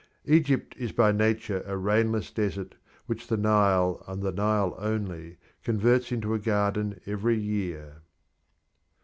Egypt is by nature a rainless desert which the Nile and the Nile only, converts into a garden every year.